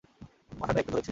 মাথাটা একটু ধরেছে।